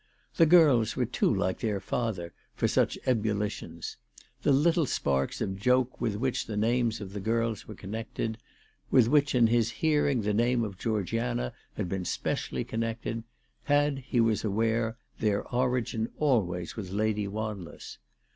The girls were too like their father for such ebullitions. The little sparks of joke with which the names of the girls were connected, with which in his hearing the name of Georgiana had been specially connected, had, he was aware, their origin always with Lady "Wanless.